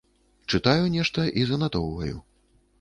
Чытаю нешта і занатоўваю.